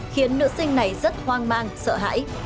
khiến nữ sinh này rất hoang mang sợ hãi